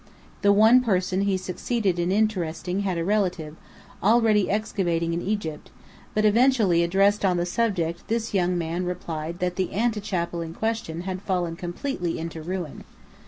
The one person he succeeded in interesting had a relative, already excavating in Egypt: but eventually addressed on the subject, this young man replied that the antechapel in question had fallen completely into ruin.